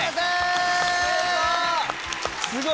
すごい！